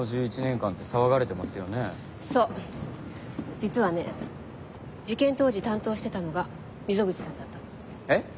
実はね事件当時担当してたのが溝口さんだったの。え？